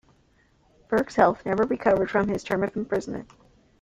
Burke's health never recovered from his term of imprisonment.